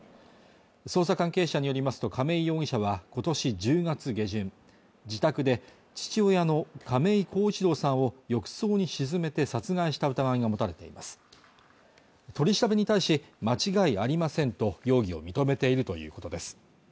捜査関係者によりますと亀井容疑者はことし１０月下旬自宅で父親の亀井孝一郎さんを浴槽に沈めて殺害した疑いが持たれています取り調べに対し間違いありませんと容疑を認めているということです